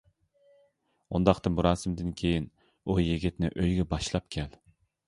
-ئۇنداقتا مۇراسىمدىن كىيىن ئۇ يىگىتنى ئۆيگە باشلاپ كەل.